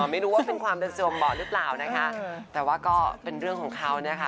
ไม่รู้ว่าเป็นความเป็นสวมเบาะหรือเปล่านะคะแต่ว่าก็เป็นเรื่องของเขานะคะ